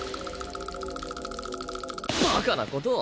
バカなことを！